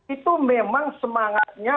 itu memang semangatnya